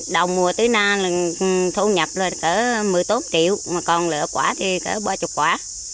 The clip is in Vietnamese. đầu mùa tới nay là thu nhập lên có một mươi tốt triệu còn lỡ quả thì có ba mươi quả